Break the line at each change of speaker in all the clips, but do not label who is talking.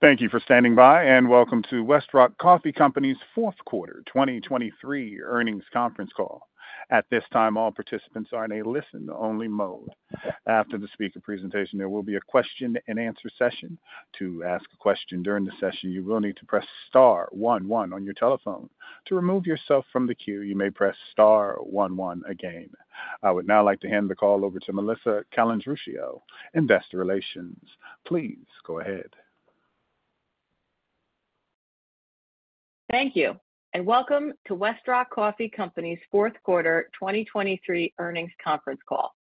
Thank you for standing by, and welcome to Westrock Coffee Company's Fourth Quarter 2023 Earnings Conference Call. At this time, all participants are in a listen-only mode. After the speaker presentation, there will be a question and answer session. To ask a question during the session, you will need to press star one one on your telephone. To remove yourself from the queue, you may press star one one again. I would now like to hand the call over to Melissa Calandruccio, Investor Relations. Please go ahead.
Thank you, and welcome to Westrock Coffee Company's Fourth Quarter 2023 Earnings Conference Call.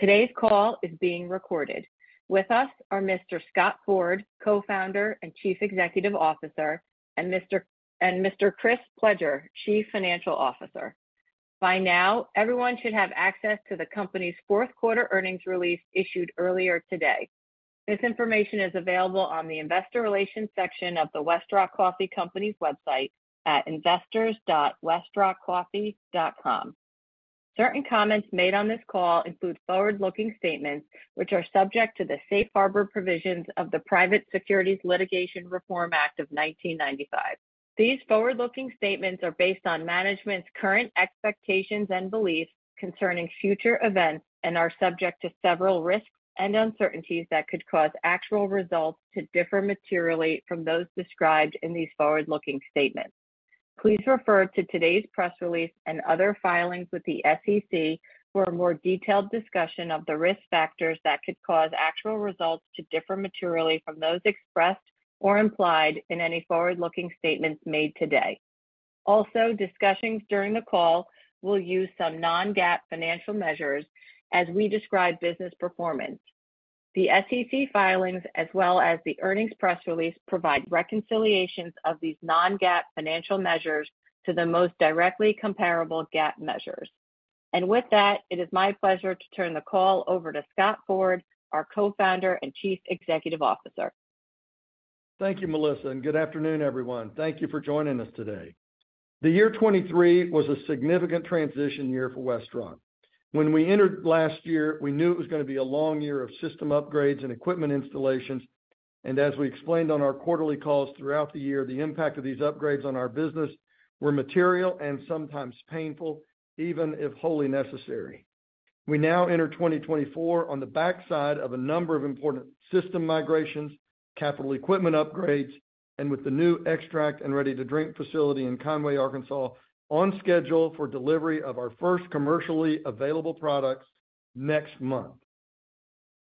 Today's call is being recorded. With us are Mr. Scott Ford, Co-founder and Chief Executive Officer, and Mr. Chris Pledger, Chief Financial Officer. By now, everyone should have access to the company's fourth quarter earnings release issued earlier today. This information is available on the Investor Relations section of the Westrock Coffee Company's website at investors.westrockcoffee.com. Certain comments made on this call include forward-looking statements, which are subject to the Safe Harbor provisions of the Private Securities Litigation Reform Act of 1995. These forward-looking statements are based on management's current expectations and beliefs concerning future events and are subject to several risks and uncertainties that could cause actual results to differ materially from those described in these forward-looking statements. Please refer to today's press release and other filings with the SEC for a more detailed discussion of the risk factors that could cause actual results to differ materially from those expressed or implied in any forward-looking statements made today. Also, discussions during the call will use some non-GAAP financial measures as we describe business performance. The SEC filings, as well as the earnings press release, provide reconciliations of these non-GAAP financial measures to the most directly comparable GAAP measures. With that, it is my pleasure to turn the call over to Scott Ford, our Co-founder and Chief Executive Officer.
Thank you, Melissa. Good afternoon, everyone. Thank you for joining us today. The year 2023 was a significant transition year for Westrock. When we entered last year, we knew it was going to be a long year of system upgrades and equipment installations. As we explained on our quarterly calls throughout the year, the impact of these upgrades on our business were material and sometimes painful, even if wholly necessary. We now enter 2024 on the backside of a number of important system migrations, capital equipment upgrades, and with the new extract and ready-to-drink facility in Conway, Arkansas, on schedule for delivery of our first commercially available products next month.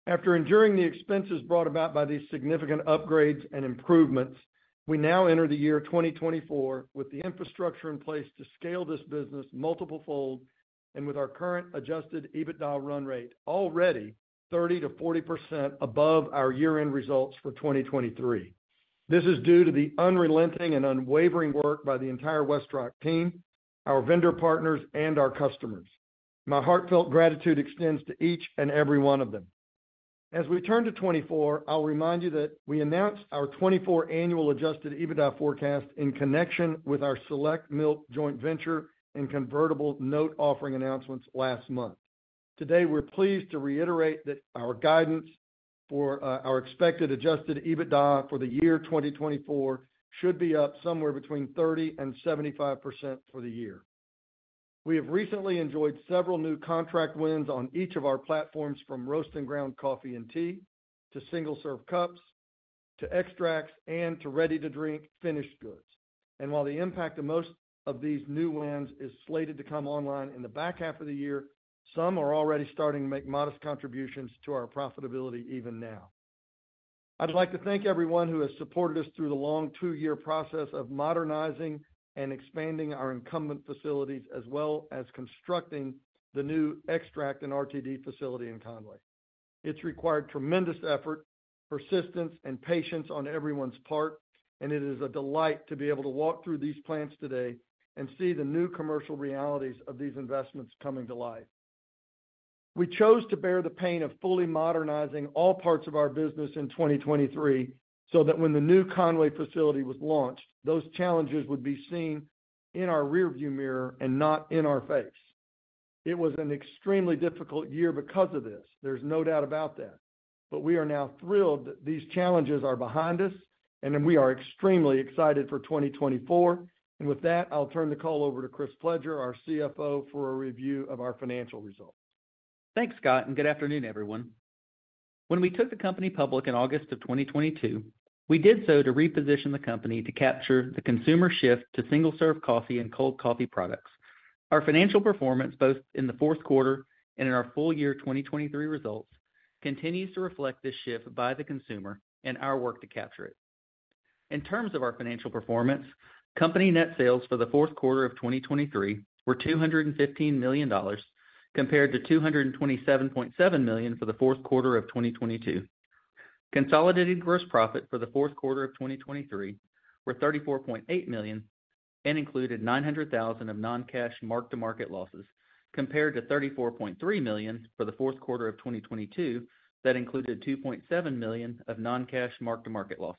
After enduring the expenses brought about by these significant upgrades and improvements, we now enter the year 2024 with the infrastructure in place to scale this business multiple-fold and with our current Adjusted EBITDA run rate already 30%-40% above our year-end results for 2023. This is due to the unrelenting and unwavering work by the entire Westrock team, our vendor partners, and our customers. My heartfelt gratitude extends to each and every one of them. As we turn to 2024, I'll remind you that we announced our 2024 annual Adjusted EBITDA forecast in connection with our Select Milk joint venture and convertible note offering announcements last month. Today, we're pleased to reiterate that our guidance for our expected Adjusted EBITDA for the year 2024 should be up somewhere between 30%-75% for the year. We have recently enjoyed several new contract wins on each of our platforms, from roast-and-ground coffee and tea to single-serve cups to extracts and to ready-to-drink finished goods. And while the impact of most of these new wins is slated to come online in the back half of the year, some are already starting to make modest contributions to our profitability even now. I'd like to thank everyone who has supported us through the long two-year process of modernizing and expanding our incumbent facilities, as well as constructing the new extract and RTD facility in Conway. It's required tremendous effort, persistence, and patience on everyone's part, and it is a delight to be able to walk through these plants today and see the new commercial realities of these investments coming to life. We chose to bear the pain of fully modernizing all parts of our business in 2023 so that when the new Conway facility was launched, those challenges would be seen in our rearview mirror and not in our face. It was an extremely difficult year because of this. There's no doubt about that. But we are now thrilled that these challenges are behind us, and we are extremely excited for 2024. And with that, I'll turn the call over to Chris Pledger, our CFO, for a review of our financial results.
Thanks, Scott, and good afternoon, everyone. When we took the company public in August of 2022, we did so to reposition the company to capture the consumer shift to single-serve coffee and cold coffee products. Our financial performance, both in the fourth quarter and in our full year 2023 results, continues to reflect this shift by the consumer and our work to capture it. In terms of our financial performance, company net sales for the fourth quarter of 2023 were $215 million compared to $227.7 million for the fourth quarter of 2022. Consolidated gross profit for the fourth quarter of 2023 were $34.8 million and included $900,000 of non-cash mark-to-market losses compared to $34.3 million for the fourth quarter of 2022 that included $2.7 million of non-cash mark-to-market losses.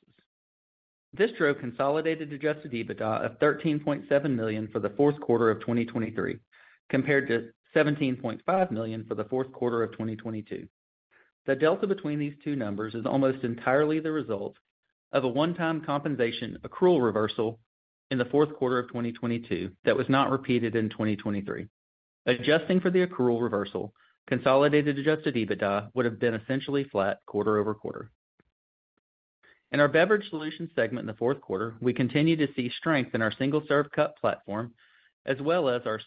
This drove consolidated adjusted EBITDA of $13.7 million for the fourth quarter of 2023 compared to $17.5 million for the fourth quarter of 2022. The delta between these two numbers is almost entirely the result of a one-time compensation accrual reversal in the fourth quarter of 2022 that was not repeated in 2023. Adjusting for the accrual reversal, consolidated adjusted EBITDA would have been essentially flat quarter-over-quarter. In our Beverage Solutions segment in the fourth quarter, we continue to see strength in our single-serve cup platform, as well as our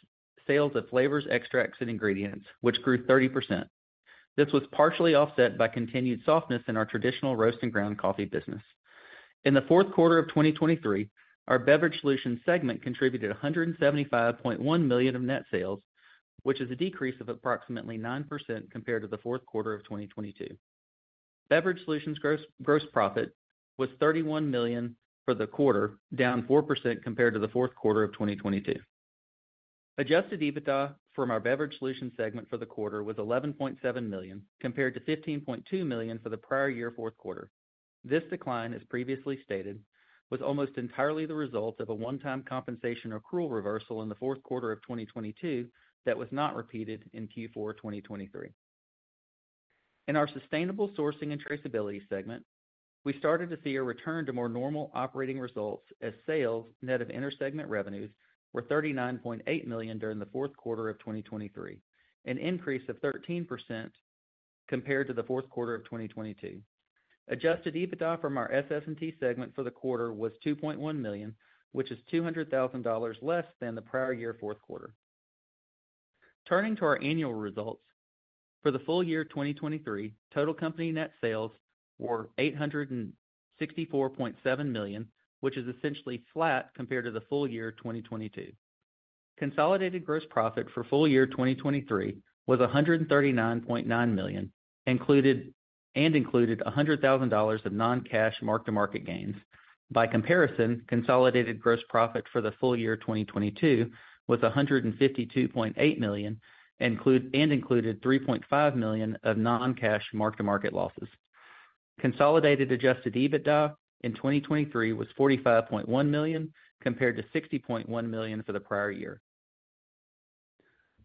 sales of flavors, extracts, and ingredients, which grew 30%. This was partially offset by continued softness in our traditional roast-and-ground coffee business. In the fourth quarter of 2023, our Beverage Solutions segment contributed $175.1 million of net sales, which is a decrease of approximately 9% compared to the fourth quarter of 2022. Beverage Solutions gross profit was $31 million for the quarter, down 4% compared to the fourth quarter of 2022. Adjusted EBITDA from our Beverage Solutions segment for the quarter was $11.7 million compared to $15.2 million for the prior year fourth quarter. This decline, as previously stated, was almost entirely the result of a one-time compensation accrual reversal in the fourth quarter of 2022 that was not repeated in Q4 2023. In our Sustainable Sourcing and Traceability segment, we started to see a return to more normal operating results as sales net of intersegment revenues were $39.8 million during the fourth quarter of 2023, an increase of 13% compared to the fourth quarter of 2022. Adjusted EBITDA from our SS&T segment for the quarter was $2.1 million, which is $200,000 less than the prior year fourth quarter. Turning to our annual results, for the full year 2023, total company net sales were $864.7 million, which is essentially flat compared to the full year 2022. Consolidated gross profit for full year 2023 was $139.9 million and included $100,000 of non-cash mark-to-market gains. By comparison, consolidated gross profit for the full year 2022 was $152.8 million and included $3.5 million of non-cash mark-to-market losses. Consolidated Adjusted EBITDA in 2023 was $45.1 million compared to $60.1 million for the prior year.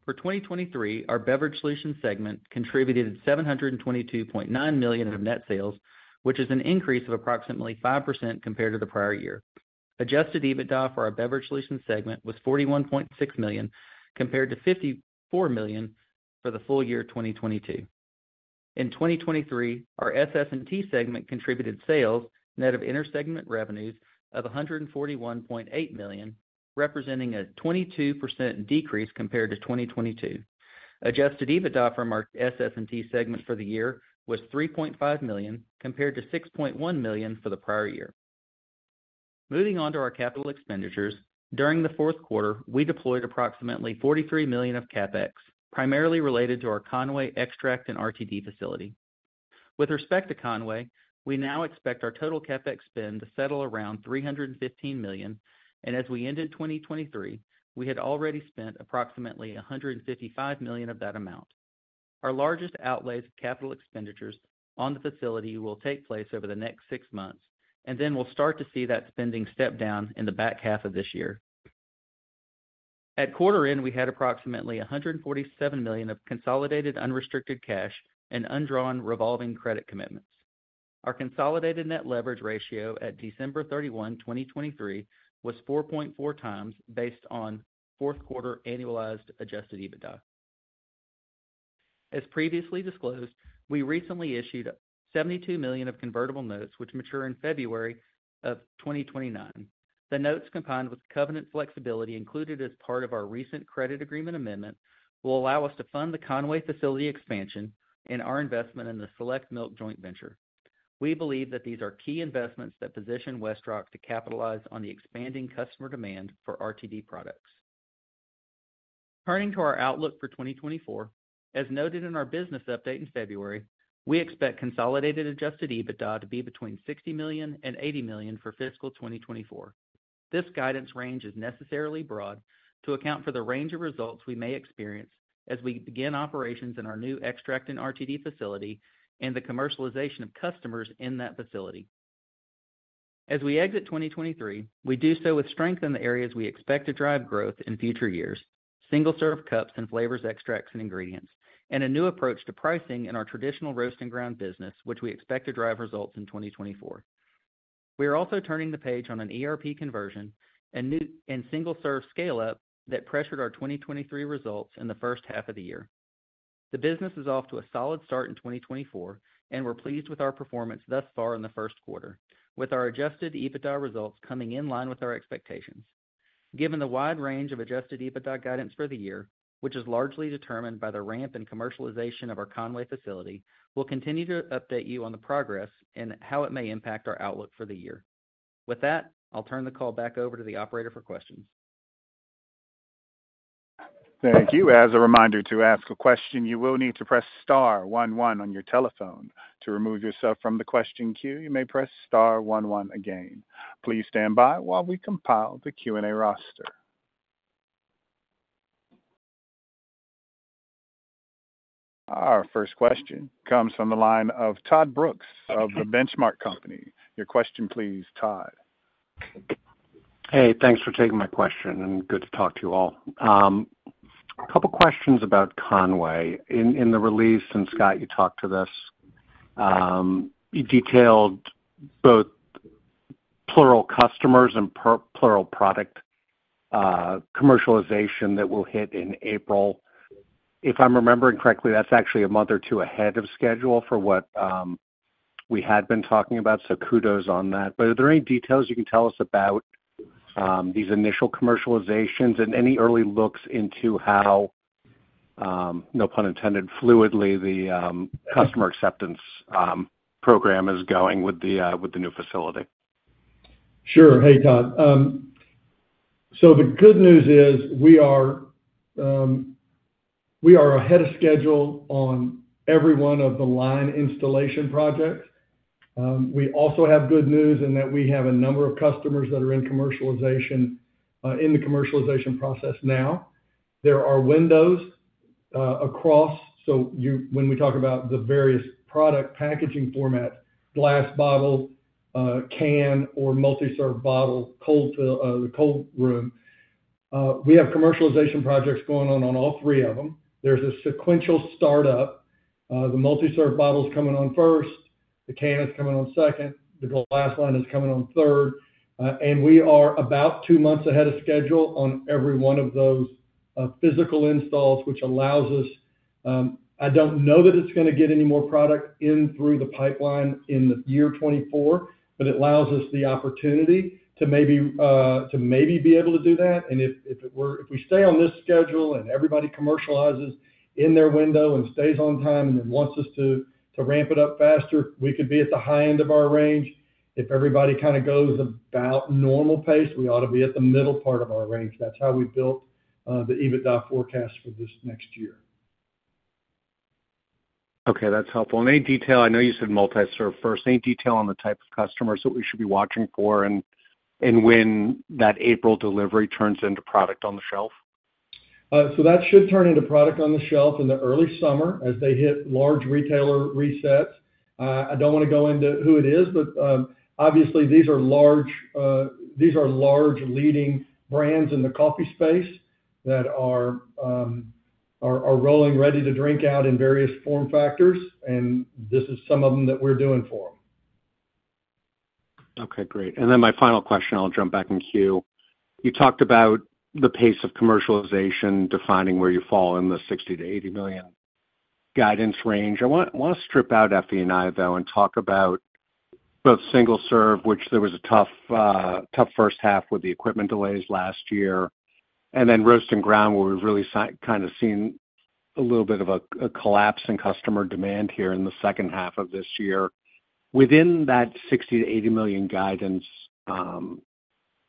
For 2023, our Beverage Solutions segment contributed $722.9 million of net sales, which is an increase of approximately 5% compared to the prior year. Adjusted EBITDA for our Beverage Solutions segment was $41.6 million compared to $54 million for the full year 2022. In 2023, our SS&T segment contributed sales net of intersegment revenues of $141.8 million, representing a 22% decrease compared to 2022. Adjusted EBITDA from our SS&T segment for the year was $3.5 million compared to $6.1 million for the prior year. Moving on to our capital expenditures, during the fourth quarter, we deployed approximately $43 million of CapEx, primarily related to our Conway extract and RTD facility. With respect to Conway, we now expect our total CapEx spend to settle around $315 million, and as we ended 2023, we had already spent approximately $155 million of that amount. Our largest outlays of capital expenditures on the facility will take place over the next six months, and then we'll start to see that spending step down in the back half of this year. At quarter-end, we had approximately $147 million of consolidated unrestricted cash and undrawn revolving credit commitments. Our consolidated net leverage ratio at December 31, 2023, was 4.4 times based on fourth quarter annualized Adjusted EBITDA. As previously disclosed, we recently issued $72 million of convertible notes, which mature in February of 2029. The notes, combined with covenant flexibility included as part of our recent credit agreement amendment, will allow us to fund the Conway facility expansion and our investment in the Select Milk joint venture. We believe that these are key investments that position Westrock to capitalize on the expanding customer demand for RTD products. Turning to our outlook for 2024, as noted in our business update in February, we expect consolidated Adjusted EBITDA to be between $60 million and $80 million for fiscal 2024. This guidance range is necessarily broad to account for the range of results we may experience as we begin operations in our new extract and RTD facility and the commercialization of customers in that facility. As we exit 2023, we do so with strength in the areas we expect to drive growth in future years: single-serve cups and flavors, extracts, and ingredients, and a new approach to pricing in our traditional roast-and-ground business, which we expect to drive results in 2024. We are also turning the page on an ERP conversion and single-serve scale-up that pressured our 2023 results in the first half of the year. The business is off to a solid start in 2024, and we're pleased with our performance thus far in the first quarter, with our Adjusted EBITDA results coming in line with our expectations. Given the wide range of Adjusted EBITDA guidance for the year, which is largely determined by the ramp and commercialization of our Conway facility, we'll continue to update you on the progress and how it may impact our outlook for the year. With that, I'll turn the call back over to the operator for questions.
Thank you. As a reminder, to ask a question, you will need to press star one one on your telephone. To remove yourself from the question queue, you may press star one one again. Please stand by while we compile the Q&A roster. Our first question comes from the line of Todd Brooks of The Benchmark Company. Your question, please, Todd.
Hey, thanks for taking my question, and good to talk to you all. A couple of questions about Conway. In the release, and Scott, you talked to this, you detailed both plural customers and plural product commercialization that will hit in April. If I'm remembering correctly, that's actually a month or two ahead of schedule for what we had been talking about, so kudos on that. But are there any details you can tell us about these initial commercializations and any early looks into how (no pun intended) fluidly the customer acceptance program is going with the new facility?
Sure. Hey, Todd. So the good news is we are ahead of schedule on every one of the line installation projects. We also have good news in that we have a number of customers that are in the commercialization process now. There are windows across, so when we talk about the various product packaging formats: glass bottle, can, or multi-serve bottle, cold room—we have commercialization projects going on all three of them. There's a sequential startup. The multi-serve bottle's coming on first, the can is coming on second, the glass line is coming on third. And we are about two months ahead of schedule on every one of those physical installs, which allows us, I don't know that it's going to get any more product in through the pipeline in the year 2024, but it allows us the opportunity to maybe be able to do that. If we stay on this schedule and everybody commercializes in their window and stays on time and then wants us to ramp it up faster, we could be at the high end of our range. If everybody kind of goes about normal pace, we ought to be at the middle part of our range. That's how we built the EBITDA forecast for this next year.
Okay, that's helpful. Any detail, I know you said multi-serve first, any detail on the type of customers that we should be watching for and when that April delivery turns into product on the shelf?
That should turn into product on the shelf in the early summer as they hit large retailer resets. I don't want to go into who it is, but obviously, these are large leading brands in the coffee space that are rolling ready to drink out in various form factors, and this is some of them that we're doing for them.
Okay, great. And then my final question, I'll jump back in queue. You talked about the pace of commercialization defining where you fall in the $60 miilion-$80 million guidance range. I want to strip out FE&I, though, and talk about both single-serve, which there was a tough first half with the equipment delays last year, and then roast-and-ground where we've really kind of seen a little bit of a collapse in customer demand here in the second half of this year. Within that $60 million-$80 million guidance,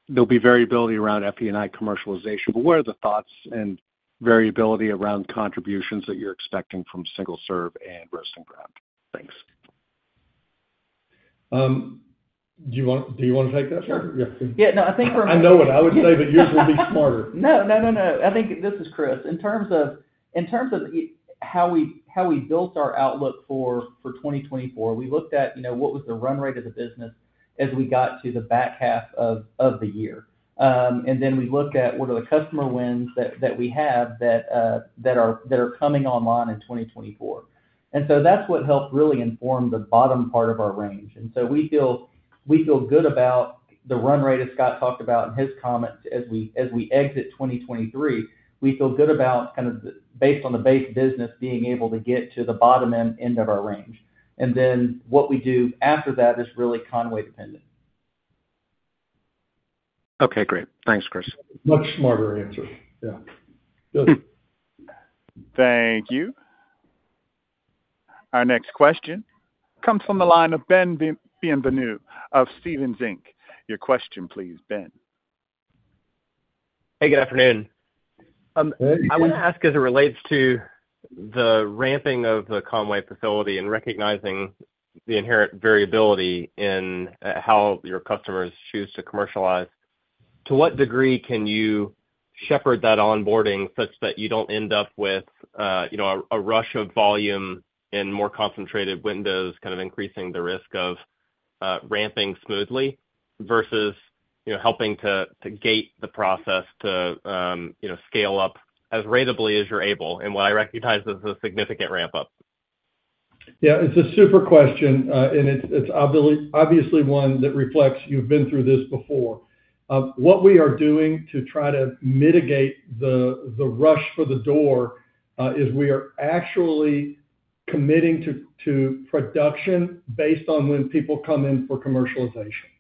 there'll be variability around FE&I commercialization. But where are the thoughts and variability around contributions that you're expecting from single-serve and roast-and-ground? Thanks.
Do you want to take that?
Sure.
Yeah.
Yeah. No, I think we're much. I know what I would say, but yours will be smarter.
No, no, no, no. I think this is Chris. In terms of how we built our outlook for 2024, we looked at what was the run rate of the business as we got to the back half of the year. And then we looked at what are the customer wins that we have that are coming online in 2024. And so that's what helped really inform the bottom part of our range. And so we feel good about the run rate as Scott talked about in his comments as we exit 2023. We feel good about kind of based on the base business being able to get to the bottom end of our range. And then what we do after that is really Conway-dependent.
Okay, great. Thanks, Chris.
Much smarter answer. Yeah. Good.
Thank you. Our next question comes from the line of Ben Bienvenue of Stephens Inc. Your question, please, Ben.
Hey, good afternoon. I want to ask as it relates to the ramping of the Conway facility and recognizing the inherent variability in how your customers choose to commercialize. To what degree can you shepherd that onboarding such that you don't end up with a rush of volume and more concentrated windows kind of increasing the risk of ramping smoothly versus helping to gate the process to scale up as ratably as you're able? And what I recognize as a significant ramp-up.
Yeah, it's a super question, and it's obviously one that reflects you've been through this before. What we are doing to try to mitigate the rush for the door is we are actually committing to production based on when people come in for commercialization.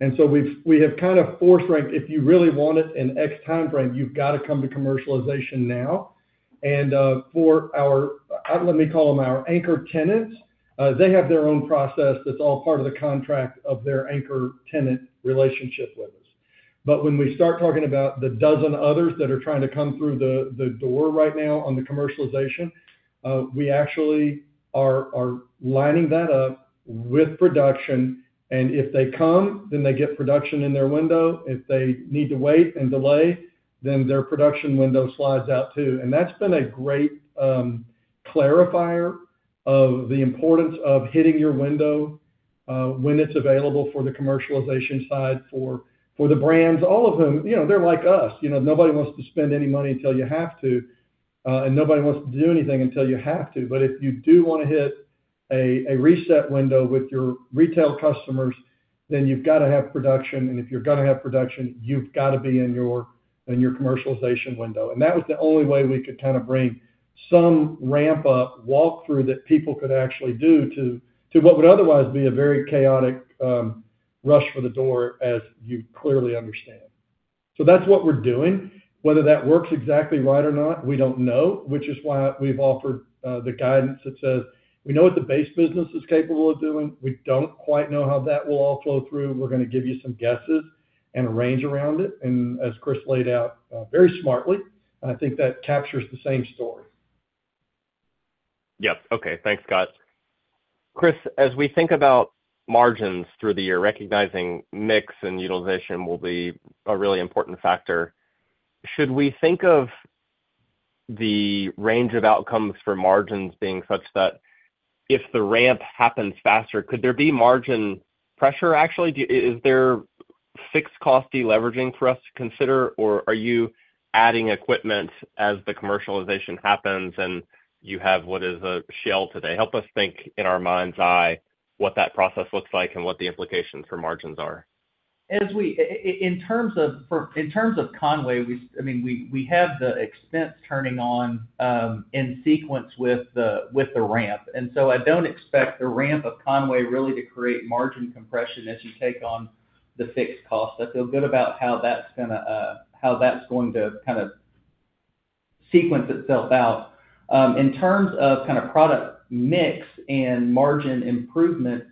And so we have kind of force-ranked, "If you really want it in X timeframe, you've got to come to commercialization now." And for our, let me call them, our anchor tenants, they have their own process that's all part of the contract of their anchor tenant relationship with us. But when we start talking about the dozen others that are trying to come through the door right now on the commercialization, we actually are lining that up with production. And if they come, then they get production in their window. If they need to wait and delay, then their production window slides out too. That's been a great clarifier of the importance of hitting your window when it's available for the commercialization side for the brands, all of whom they're like us. Nobody wants to spend any money until you have to, and nobody wants to do anything until you have to. But if you do want to hit a reset window with your retail customers, then you've got to have production. And if you're going to have production, you've got to be in your commercialization window. And that was the only way we could kind of bring some ramp-up walkthrough that people could actually do to what would otherwise be a very chaotic rush for the door, as you clearly understand. So that's what we're doing. Whether that works exactly right or not, we don't know, which is why we've offered the guidance that says, "We know what the base business is capable of doing. We don't quite know how that will all flow through. We're going to give you some guesses and a range around it." As Chris laid out, very smartly, I think that captures the same story.
Yep. Okay, thanks, Scott. Chris, as we think about margins through the year, recognizing mix and utilization will be a really important factor. Should we think of the range of outcomes for margins being such that if the ramp happens faster, could there be margin pressure, actually? Is there fixed cost deleveraging for us to consider, or are you adding equipment as the commercialization happens and you have what is a shell today? Help us think in our mind's eye what that process looks like and what the implications for margins are.
In terms of Conway, I mean, we have the expense turning on in sequence with the ramp. And so I don't expect the ramp of Conway really to create margin compression as you take on the fixed cost. I feel good about how that's going to kind of sequence itself out. In terms of kind of product mix and margin improvement,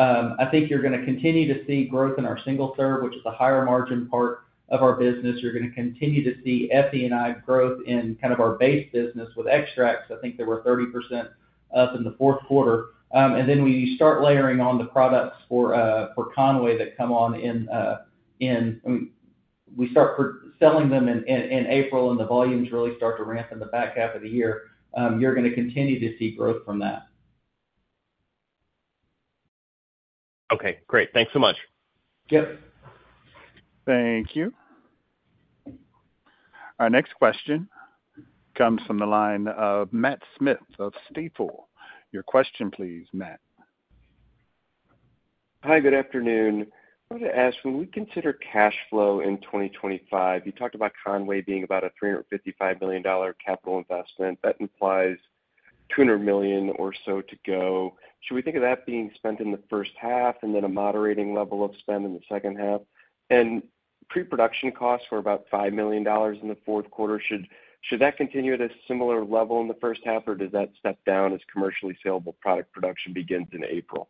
I think you're going to continue to see growth in our single-serve, which is a higher margin part of our business. You're going to continue to see FE&I growth in kind of our base business with extracts. I think there were 30% up in the fourth quarter. And then when you start layering on the products for Conway that come on in, I mean, we start selling them in April and the volumes really start to ramp in the back half of the year, you're going to continue to see growth from that.
Okay, great. Thanks so much.
Yep.
Thank you. Our next question comes from the line of Matt Smith of Stifel. Your question, please, Matt.
Hi, good afternoon. I wanted to ask, when we consider cash flow in 2025, you talked about Conway being about a $355 million capital investment. That implies $200 million or so to go. Should we think of that being spent in the first half and then a moderating level of spend in the second half? And pre-production costs were about $5 million in the fourth quarter. Should that continue at a similar level in the first half, or does that step down as commercially saleable product production begins in April?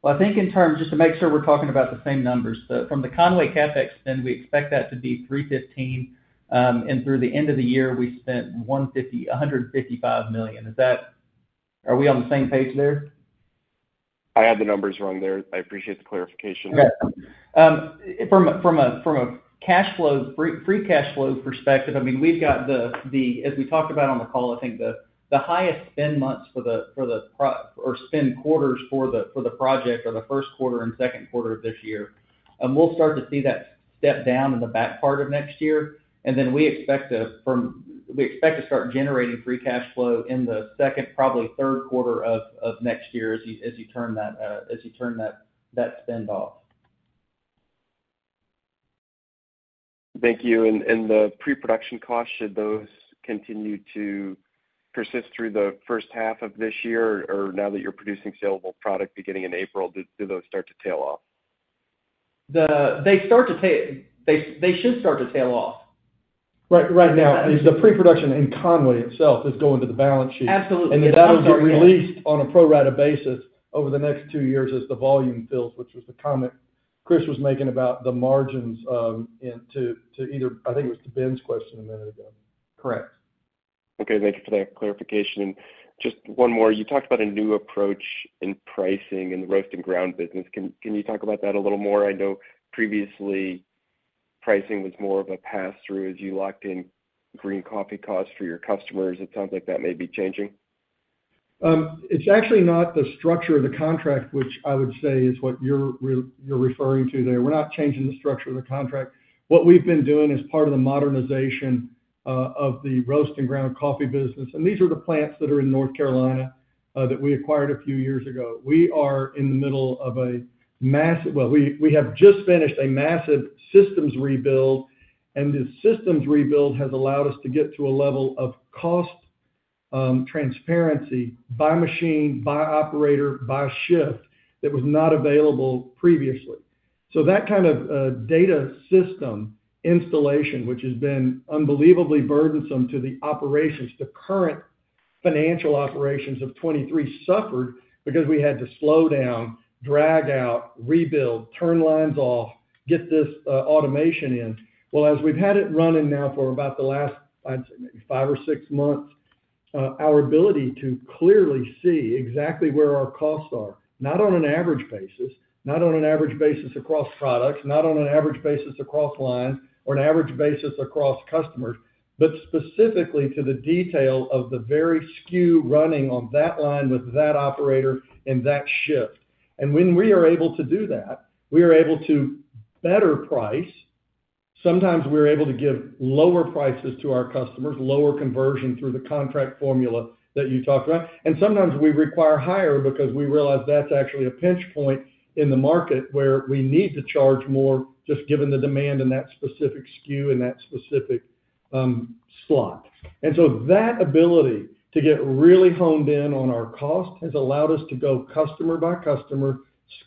Well, I think in terms, just to make sure we're talking about the same numbers, from the Conway CapEx, then we expect that to be $315 million. And through the end of the year, we spent $155 million. Are we on the same page there?
I had the numbers wrong there. I appreciate the clarification.
Okay. From a free cash flow perspective, I mean, we've got the, as we talked about on the call, I think the highest spend months for the spend quarters for the project are the first quarter and second quarter of this year. We'll start to see that step down in the back part of next year. And then we expect to start generating free cash flow in the second, probably third quarter of next year as you turn that spend off.
Thank you. And the pre-production costs, should those continue to persist through the first half of this year or now that you're producing saleable product beginning in April, do those start to tail off?
They should start to tail off.
Right now, the pre-production in Conway itself is going to the balance sheet.
Absolutely.
And then that'll be released on a pro rata basis over the next two years as the volume fills, which was the comment Chris was making about the margins to either, I think it was to Ben's question a minute ago.
Correct.
Okay, thank you for that clarification. And just one more. You talked about a new approach in pricing in the roast-and-ground business. Can you talk about that a little more? I know previously, pricing was more of a pass-through as you locked in green coffee costs for your customers. It sounds like that may be changing.
It's actually not the structure of the contract, which I would say is what you're referring to there. We're not changing the structure of the contract. What we've been doing as part of the modernization of the roast-and-ground coffee business—and these are the plants that are in North Carolina that we acquired a few years ago—we are in the middle of a massive—well, we have just finished a massive systems rebuild. And this systems rebuild has allowed us to get to a level of cost transparency by machine, by operator, by shift that was not available previously. So that kind of data system installation, which has been unbelievably burdensome to the operations, to current financial operations of 2023, suffered because we had to slow down, drag out, rebuild, turn lines off, get this automation in. Well, as we've had it running now for about the last, I'd say, maybe five or six months, our ability to clearly see exactly where our costs are, not on an average basis, not on an average basis across products, not on an average basis across lines, or an average basis across customers, but specifically to the detail of the very SKU running on that line with that operator and that shift. When we are able to do that, we are able to better price. Sometimes we're able to give lower prices to our customers, lower conversion through the contract formula that you talked about. Sometimes we require higher because we realize that's actually a pinch point in the market where we need to charge more just given the demand in that specific SKU and that specific slot. And so that ability to get really honed in on our cost has allowed us to go customer by customer,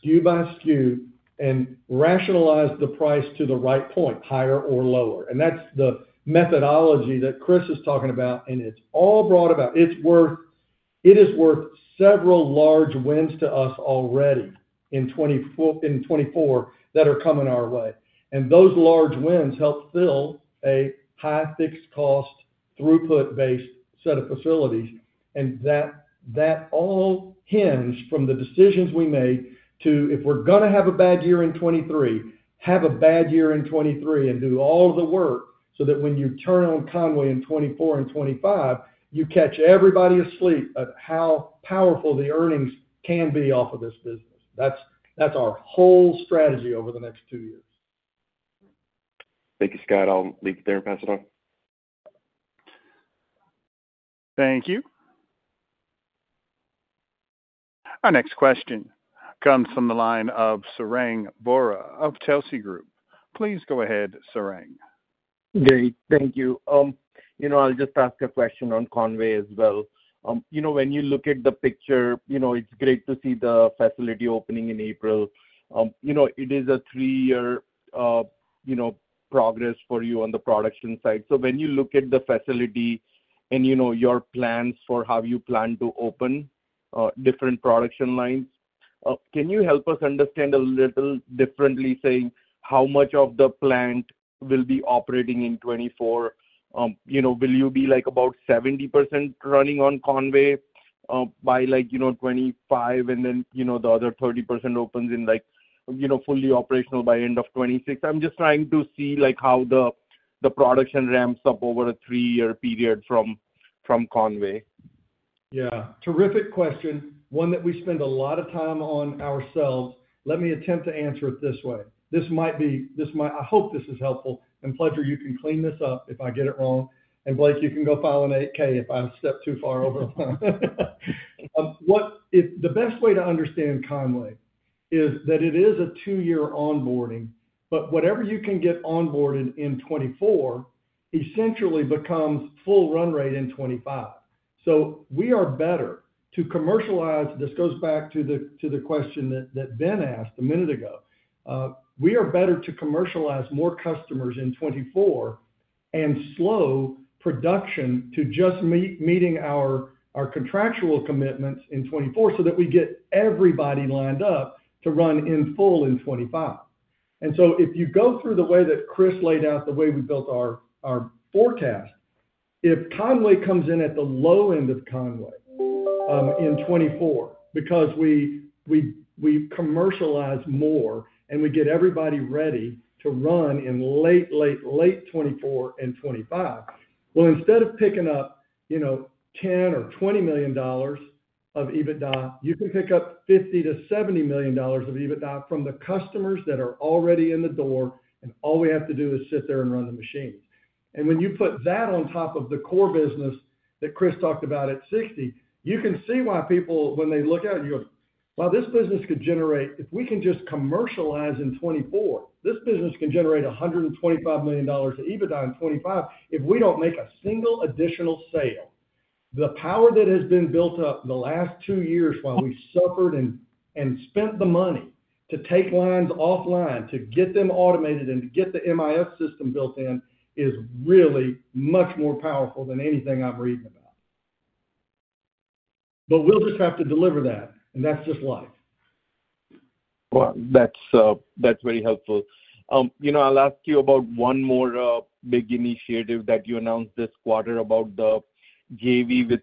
SKU by SKU, and rationalize the price to the right point, higher or lower. And that's the methodology that Chris is talking about. And it's all brought about. It is worth several large wins to us already in 2024 that are coming our way. And those large wins help fill a high fixed cost throughput-based set of facilities. And that all hinges from the decisions we made to, if we're going to have a bad year in 2023, have a bad year in 2023, and do all of the work so that when you turn on Conway in 2024 and 2025, you catch everybody asleep at how powerful the earnings can be off of this business. That's our whole strategy over the next two years.
Thank you, Scott. I'll leave it there and pass it on.
Thank you. Our next question comes from the line of Sarang Vora of Telsey Advisory Group. Please go ahead, Sarang.
Great. Thank you. I'll just ask a question on Conway as well. When you look at the picture, it's great to see the facility opening in April. It is a three-year progress for you on the production side. So when you look at the facility and your plans for how you plan to open different production lines, can you help us understand a little differently, say, how much of the plant will be operating in 2024? Will you be about 70% running on Conway by 2025, and then the other 30% opens in fully operational by end of 2026? I'm just trying to see how the production ramps up over a three-year period from Conway.
Yeah, terrific question, one that we spend a lot of time on ourselves. Let me attempt to answer it this way. This might be, I hope this is helpful. And Pledger, you can clean this up if I get it wrong. And Blake, you can go file a Form 8-K if I step too far over the line. The best way to understand Conway is that it is a two-year onboarding, but whatever you can get onboarded in 2024 essentially becomes full run rate in 2025. So we are better to commercialize, this goes back to the question that Ben asked a minute ago, we are better to commercialize more customers in 2024 and slow production to just meeting our contractual commitments in 2024 so that we get everybody lined up to run in full in 2025. So if you go through the way that Chris laid out the way we built our forecast, if Conway comes in at the low end of Conway in 2024 because we commercialize more and we get everybody ready to run in late, late, late 2024 and 2025, well, instead of picking up $10 million or $20 million of EBITDA, you can pick up $50 million-$70 million of EBITDA from the customers that are already in the door. And all we have to do is sit there and run the machines. And when you put that on top of the core business that Chris talked about at $60 million, you can see why people, when they look out, you go, "Wow, this business could generate if we can just commercialize in 2024. This business can generate $125 million of EBITDA in 2025 if we don't make a single additional sale." The power that has been built up the last two years while we suffered and spent the money to take lines offline, to get them automated, and to get the MIS system built in is really much more powerful than anything I'm reading about. But we'll just have to deliver that. And that's just life.
Well, that's very helpful. I'll ask you about one more big initiative that you announced this quarter about the JV with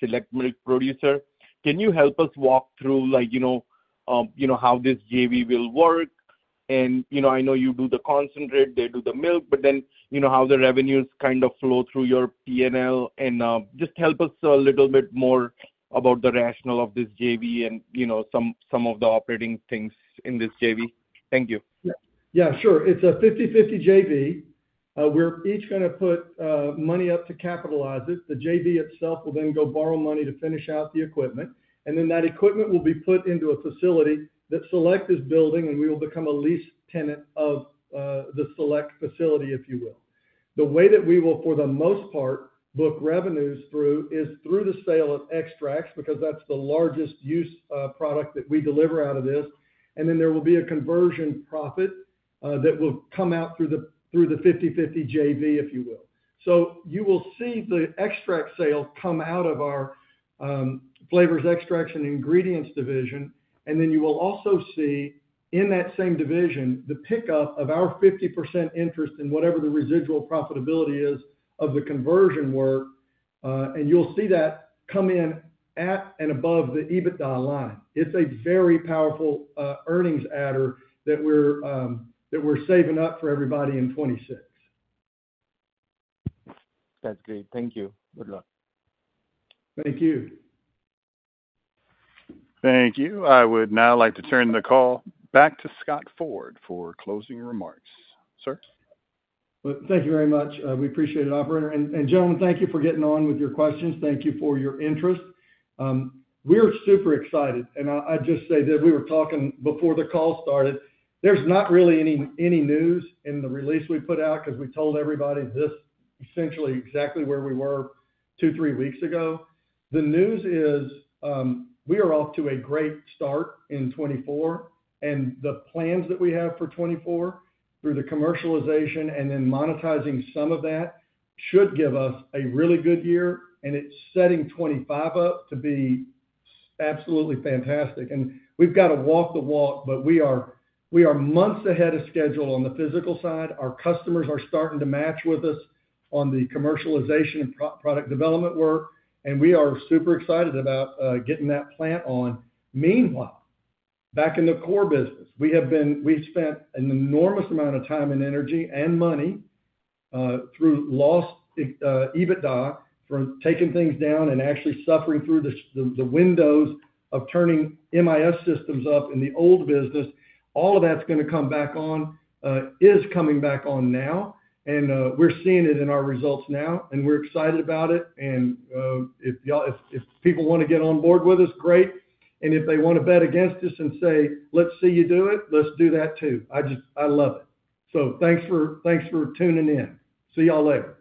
Select Milk Producers. Can you help us walk through how this JV will work? And I know you do the concentrate. They do the milk. But then how the revenues kind of flow through your P&L? And just help us a little bit more about the rationale of this JV and some of the operating things in this JV. Thank you.
Yeah, sure. It's a 50/50 JV. We're each going to put money up to capitalize it. The JV itself will then go borrow money to finish out the equipment. Then that equipment will be put into a facility that Select is building, and we will become a lease tenant of the Select facility, if you will. The way that we will, for the most part, book revenues through is through the sale of extracts because that's the largest use product that we deliver out of this. Then there will be a conversion profit that will come out through the 50/50 JV, if you will. So you will see the extract sale come out of our flavors, extracts, and ingredients division. Then you will also see, in that same division, the pickup of our 50% interest in whatever the residual profitability is of the conversion work. You'll see that come in at and above the EBITDA line. It's a very powerful earnings adder that we're saving up for everybody in 2026.
That's great. Thank you. Good luck.
Thank you.
Thank you. I would now like to turn the call back to Scott Ford for closing remarks. Sir?
Thank you very much. We appreciate it, operator. And gentlemen, thank you for getting on with your questions. Thank you for your interest. We are super excited. And I'd just say that we were talking before the call started. There's not really any news in the release we put out because we told everybody this essentially exactly where we were two-three weeks ago. The news is we are off to a great start in 2024. And the plans that we have for 2024 through the commercialization and then monetizing some of that should give us a really good year. And it's setting 2025 up to be absolutely fantastic. And we've got to walk the walk, but we are months ahead of schedule on the physical side. Our customers are starting to match with us on the commercialization and product development work. And we are super excited about getting that plant on. Meanwhile, back in the core business, we have spent an enormous amount of time and energy and money through lost EBITDA for taking things down and actually suffering through the windows of turning MIS systems up in the old business. All of that's going to come back on, is coming back on now. And we're seeing it in our results now. And we're excited about it. And if people want to get on board with us, great. And if they want to bet against us and say, "Let's see you do it," let's do that too. I love it. So thanks for tuning in. See y'all later.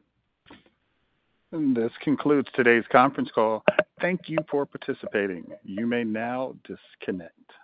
This concludes today's conference call. Thank you for participating. You may now disconnect.